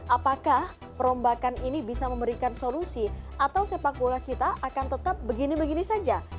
apakah perombakan ini bisa memberikan solusi atau sepak bola kita akan tetap begini begini saja